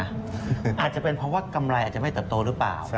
อาจจะเป็นเพราะว่ากำไรอาจจะไม่เติบโตหรือเปล่า